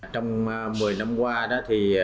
trong một mươi năm qua